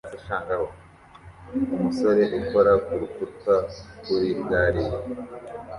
Umusore ukora urukuta kuri gare ye